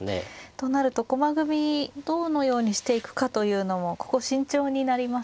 となると駒組みどのようにしていくかというのもここ慎重になりますね。